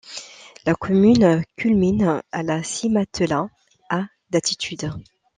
La commune culmine à la Cimatella à d'altitude.